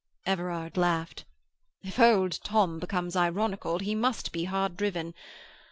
Everard laughed. "If old Tom becomes ironical, he must be hard driven.